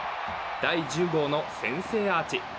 第１０号の先制アーチ。